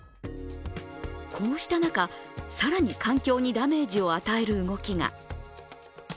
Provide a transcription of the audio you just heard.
こうした中、更に環境にダメージを与える動きが。